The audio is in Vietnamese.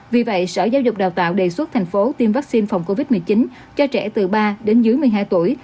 vì vậy sở giáo dục đào tạo đề xuất thành phố tiêm vaccine phòng covid một mươi chín cho trẻ từ ba đến dưới một mươi hai tuổi